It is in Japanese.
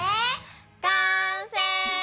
完成！